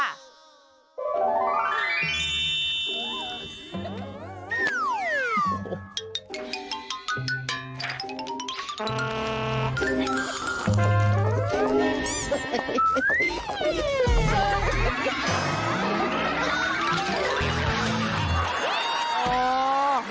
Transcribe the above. สวัสดิ์